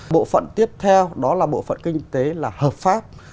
bộ phận tiếp theo đó là bộ phận kinh tế là hợp pháp